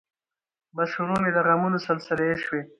بس شروع مې د غمونو سلسلې شوې